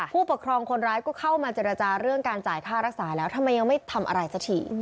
ผู้ปกครองคนร้ายก็เข้ามาเจรจาเรื่องการจ่ายค่ารักษาแล้วทำไมยังไม่ทำอะไรสักที